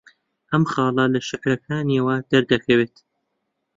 ئەم خاڵە لە شێعرەکانییەوە دەردەکەوێت